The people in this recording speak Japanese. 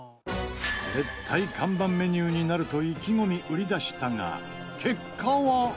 絶対看板メニューになると意気込み売り出したが結果は。